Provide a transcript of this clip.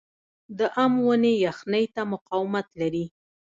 د ام ونې یخنۍ ته مقاومت لري؟